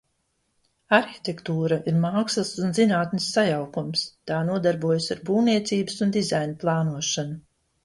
Arhitektūra ir mākslas un zinātnes sajaukums. Tā nodarbojas ar būvniecības un dizaina plānošanu.